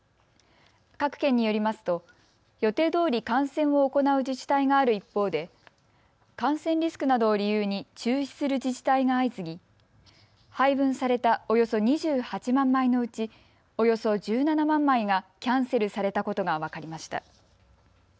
各県によりますと予定どおり観戦を行う自治体がある一方で感染リスクなどを理由に中止する自治体が相次ぎ配分されたおよそ２８万枚のうちおよそ１７万枚がキャンセルされたことが分かりました。